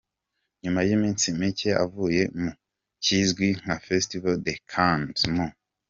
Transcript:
Nyuma yiminsi mike avuye mu kizwi nka Festival de Cannes mu.